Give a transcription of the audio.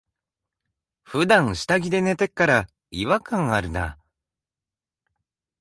ふだん下着で寝てっから、違和感あるな。